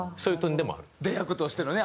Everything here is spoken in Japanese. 出役としてのね